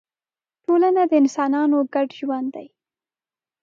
ټولنه د انسانانو ګډ ژوند دی.